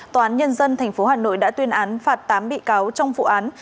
tòa án nhân dân tp hà nội đã tuyên án phạt tám bị cáo trong vụ án